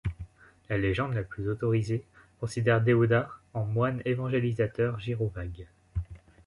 La légende la plus autorisée considère Déodat en moine évangélisateur gyrovague.